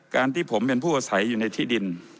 ที่ผมเป็นผู้อาศัยอยู่ในที่ดิน